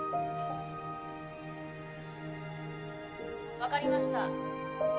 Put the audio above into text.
分かりました。